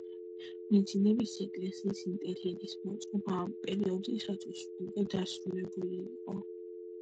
მიძინების ეკლესიის ინტერიერის მოწყობა ამ პერიოდისათვის უკვე დასრულებული იყო.